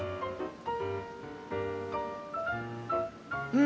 うん。